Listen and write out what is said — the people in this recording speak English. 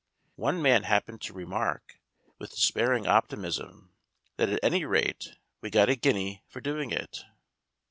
One man happened to remark, with despairing optimism, that at any rate we got a guinea for doing it.